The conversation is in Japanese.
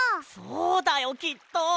そうだよきっと。